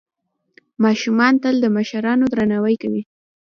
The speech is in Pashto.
ماشومان تل د مشرانو درناوی کوي.